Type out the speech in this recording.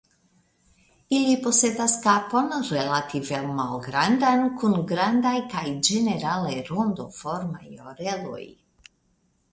Ili posedas kapon relative malgrandan kun grandaj kaj ĝenerale rondoformaj oreloj.